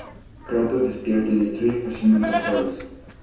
Kratos despierta y destruye fácilmente a Zeus.